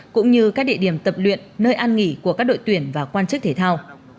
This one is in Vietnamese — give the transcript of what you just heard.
cũng như các địa điểm tập luyện nơi ăn nghỉ của các đội tuyển và quan chức thể thao